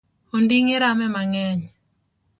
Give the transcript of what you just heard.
Onding’e rame mang’eny